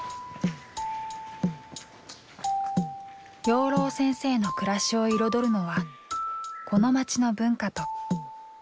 養老先生の暮らしを彩るのはこの街の文化と美食たち。